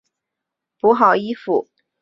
补好衣服的破洞